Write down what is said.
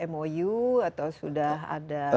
mou atau sudah ada